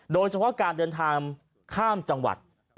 โดยเฉพาะการเดินทางข้ามจังหวัด